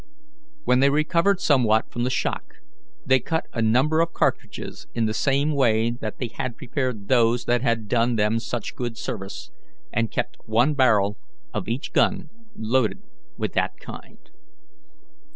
When they recovered somewhat from the shock, they cut a number of cartridges in the same way that they had prepared those that had done them such good service, and kept one barrel of each gun loaded with that kind.